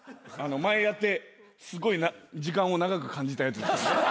前やってすごい時間を長く感じたやつ。